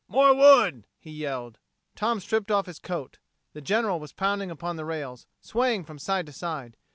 "More wood!" he yelled. Tom stripped off his coat. The General was pounding upon the rails, swaying from side to side.